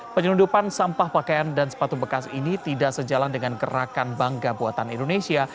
penyelundupan sampah pakaian dan sepatu bekas ini tidak sejalan dengan gerakan bangga buatan indonesia